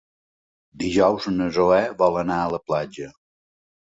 Dijous na Zoè vol anar a la platja.